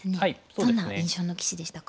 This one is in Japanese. どんな印象の棋士でしたか？